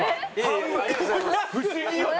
半分不思議よね。